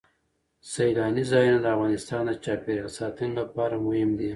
سیلانی ځایونه د افغانستان د چاپیریال ساتنې لپاره مهم دي.